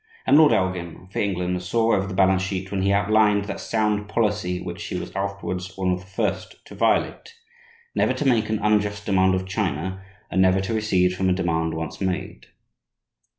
And Lord Elgin, for England, saw over the balance sheet when he outlined that sound policy which he was afterwards one of the first to violate "Never to make an unjust demand of China, and never to recede from a demand once made."